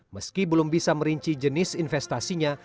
meski belum bisa merinci jenis investasinya